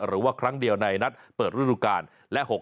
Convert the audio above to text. หรือว่าครั้งเดียวในนัดเปิดฤดูกาลและ๖๖